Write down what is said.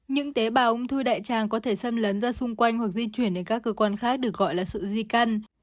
những tế bào ung thư đại tràng có thể xâm lấn ra xung quanh hoặc di chuyển đến các cơ quan khác được gọi là sự di căn